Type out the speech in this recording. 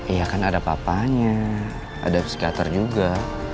iya kan ada papanya ada psikiater juga